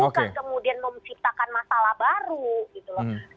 bukan kemudian menciptakan masalah baru gitu loh